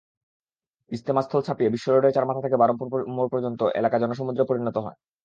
ইজতেমাস্থল ছাপিয়ে বিশ্বরোডের চারমাথা থেকে বারপুর মোড় পর্যন্ত এলাকা জনসমুদ্রে পরিণত হয়।